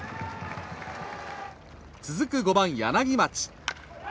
続く５番、柳町。